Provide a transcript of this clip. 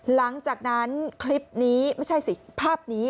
หลังจากนั้นคลิปนี้ไม่ใช่สิภาพนี้